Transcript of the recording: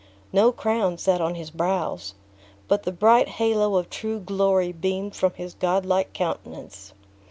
No crown sat on his brows; but the bright halo of true glory beamed from his godlike countenance.